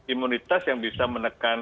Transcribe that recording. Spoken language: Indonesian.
imunitas yang bisa menekan